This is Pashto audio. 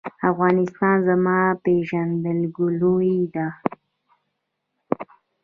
افغانستان زما پیژندګلوي ده